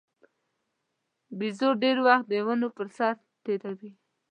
بیزو ډېر وخت د ونو پر سر تېروي.